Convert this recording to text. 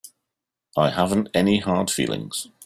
I haven't any hard feelings.